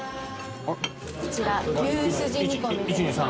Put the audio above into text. こちら牛すじ煮込みでございます。